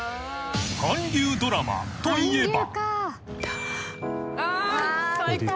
［韓流ドラマといえば］